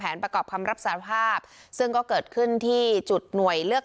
ประกอบคำรับสารภาพซึ่งก็เกิดขึ้นที่จุดหน่วยเลือก